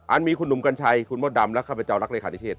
มีคุณหนุ่มกัญชัยคุณมดดำและข้าพเจ้ารักเลขานิเทศ